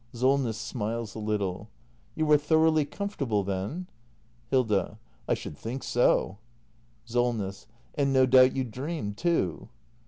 SOLNESS. [Smiles a little.] You were thoroughly comfortable then? Hilda. I should think so. Solness. And no doubt you dreamed, too.